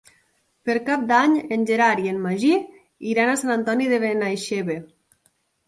Per Cap d'Any en Gerard i en Magí iran a Sant Antoni de Benaixeve.